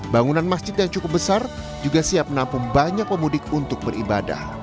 bangunan masjid yang cukup besar juga siap menampung banyak pemudik untuk beribadah